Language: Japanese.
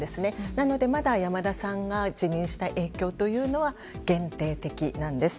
なのでまだ山田さんが辞任した影響というのは限定的なんです。